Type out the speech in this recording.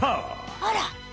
あら！